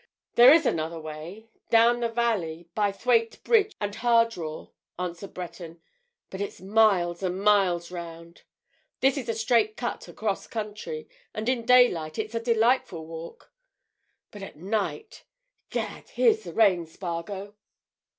"There is another way—down the valley, by Thwaite Bridge and Hardraw," answered Breton, "but it's miles and miles round. This is a straight cut across country, and in daylight it's a delightful walk. But at night—Gad!—here's the rain, Spargo!"